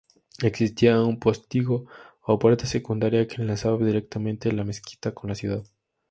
Existía un postigo o puerta secundaria que enlazaba directamente la mezquita con la ciudad.